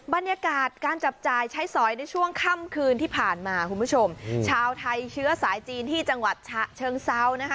บรรยากาศการจับจ่ายใช้สอยในช่วงค่ำคืนที่ผ่านมาคุณผู้ชมชาวไทยเชื้อสายจีนที่จังหวัดฉะเชิงเซานะคะ